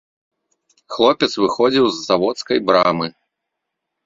Хлопец выходзіў з заводскай брамы.